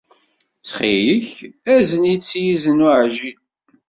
Ttxil-k, azen-itt s yizen uɛjil.